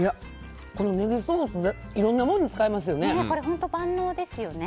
このネギソースいろんなものに使えますよね。